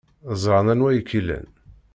Ẓran anwa ay k-ilan.